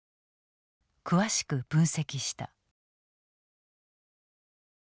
詳しく分析した。